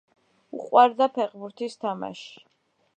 უყვარდა ფეხბურთის თამაში.